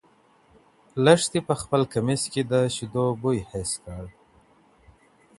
لښتې په خپل کمیس کې د شيدو بوی حس کړ.